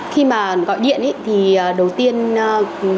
khi mà gọi điện ấy thì đầu tiên chị thấy